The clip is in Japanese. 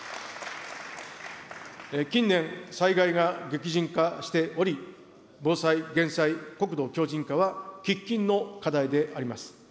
近年、災害が激甚化しており、防災・減災、国土強じん化は喫緊の課題であります。